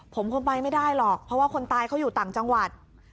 ผมคงไปไม่ได้หรอกเพราะว่าคนตายเขาอยู่ต่างจังหวัด